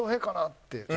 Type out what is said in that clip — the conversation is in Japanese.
って。